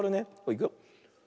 いくよ。